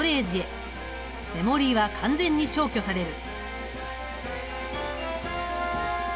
メモリは完全に消去される。